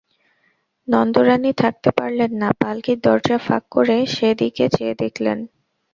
নন্দরানী থাকতে পারলেন না, পালকির দরজা ফাঁক করে সে দিকে চেয়ে দেখলেন।